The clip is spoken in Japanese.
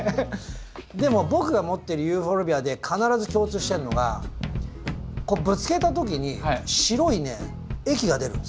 でも僕が持ってるユーフォルビアで必ず共通してるのがこうぶつけた時に白いね液が出るんですよ。